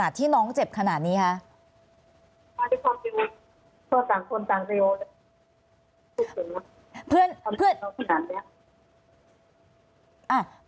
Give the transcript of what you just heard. คือตีคู่กันมาตลอดเลยใช่ไหม